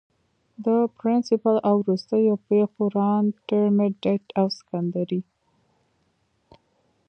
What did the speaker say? د پرنسپل او وروستو پيښورانټرميډيټ او سکنډري